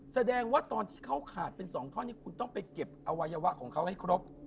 แสดงว่าตอนที่เขาขาดเป็น๒ท่อนนี้คุณต้องไปเก็บอวัยวะของเขาให้ครบ